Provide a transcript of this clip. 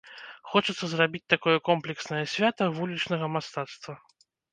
Хочацца зрабіць такое комплекснае свята вулічнага мастацтва.